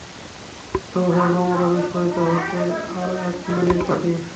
সর্বশেষ বোমাটা বিস্ফোরিত হতে আর এক মিনিট বাকি।